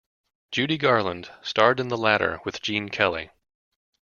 Judy Garland starred in the latter with Gene Kelly.